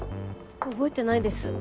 覚えてないです。